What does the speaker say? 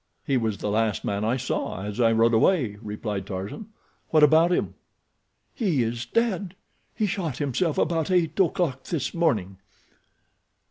"He was the last man I saw as I rode away," replied Tarzan. "What about him?" "He is dead. He shot himself about eight o'clock this morning."